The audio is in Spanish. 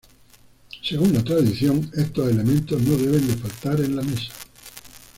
Según la tradición, estos elementos no deben de faltar en la mesa.